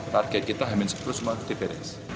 target kita ha minus sepuluh semua diberes